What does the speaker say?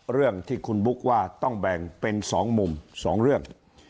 เรื่องที่คุณบุ๊คว่าต้องแบ่งเป็น๒มุม๒เรื่อง